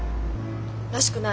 らしくない。